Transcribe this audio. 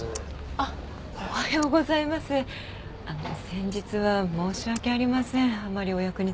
あの先日は申し訳ありませんあんまりお役に立てなくて。